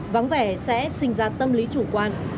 vắng vẻ sẽ sinh ra tâm lý chủ quan